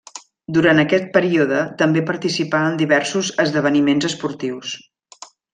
Durant aquest període també participà en diversos esdeveniments esportius.